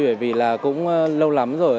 bởi vì là cũng lâu lắm rồi